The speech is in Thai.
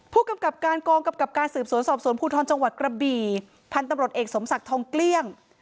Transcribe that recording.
ผู้กำกับการกองกำกับการสืบสวนสอบสวนภูทรจังหวัดกระบี่พันธุ์ตำรวจเอกสมศักดิ์ทองเกลี้ยง